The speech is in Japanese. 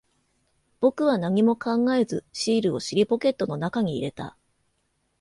僕は何も考えず、シールを尻ポケットの中に入れた。